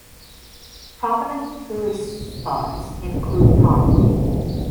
Prominent tourist spots include Ponmudi.